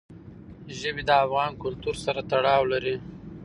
ژبې د افغان کلتور سره تړاو لري.